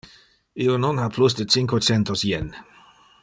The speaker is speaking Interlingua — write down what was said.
Io non ha plus de cinque centos yen.